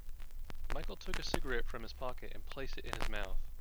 Michael took a cigarette from his pocket and placed it in his mouth.